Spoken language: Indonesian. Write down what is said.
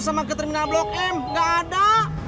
sama ke terminal blok m nggak ada